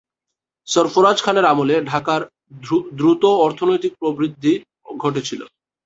সরফরাজ খানের আমলে, ঢাকার দ্রুত অর্থনৈতিক প্রবৃদ্ধি ঘটেছিল।